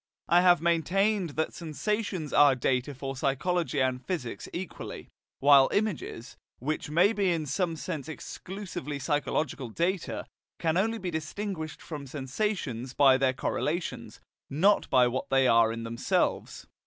I have maintained that sensations are data for psychology and physics equally, while images, which may be in some sense exclusively psychological data, can only be distinguished from sensations by their correlations, not by what they are in themselves.